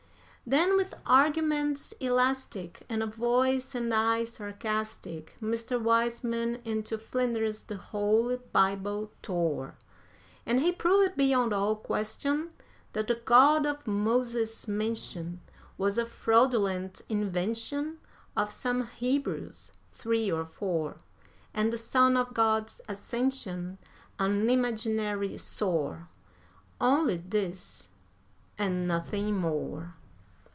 Then with arguments elastic, and a voice and eye sarcastic, Mr. Wiseman into flinders the Holy Bible tore; And he proved beyond all question that the God of Moses' mention Was a fraudulent invention of some Hebrews, three or four, And the Son of God's ascension an imaginary soar! Only this and nothing more.